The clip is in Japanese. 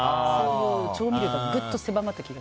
調味料がぐっと狭まってくる。